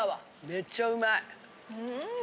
めちゃうまい！